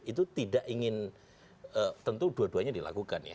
itu tidak ingin tentu dua duanya dilakukan ya